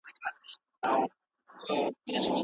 په نولسمه پیړۍ کي دوه نوي علمونه منځ ته راغلل.